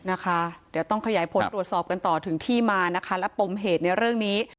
นะคะเดี๋ยวต้องขยายผลตรวจสอบกันต่อถึงที่มานะคะและปมเหตุในเรื่องนี้